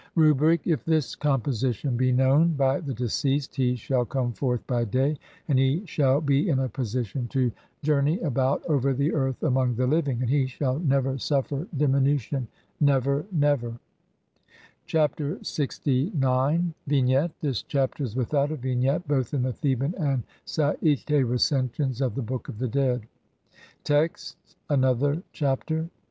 Rubric : if this composition be known [by the deceased] he SHALL COME FORTH BY DAY, AND HE SHALL BE IN A POSITION TO JOUR NEY ABOUT OVER THE EARTH AMONG THE LIVING, AND HE SHALL NEVER SUFFER DIMINUTION, (17) NEVER, NEVER. Chapter LXIX. [From the Papyrus of Mes em neter (Naville, op. cit., Bd. I. Bl. 81).] Vignette : This Chapter is without a vignette both in the Theban and Saite Recensions of the Book of the Dead. Text : (1) Another (2) Chapter.